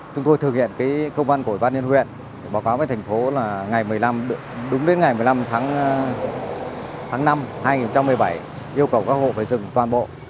chúng tôi thực hiện công văn của văn liên huyện báo cáo với thành phố là đúng đến ngày một mươi năm tháng năm hai nghìn một mươi bảy yêu cầu các hộ phải dừng toàn bộ